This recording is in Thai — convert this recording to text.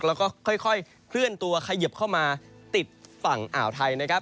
แล้วก็ค่อยเคลื่อนตัวขยิบเข้ามาติดฝั่งอ่าวไทยนะครับ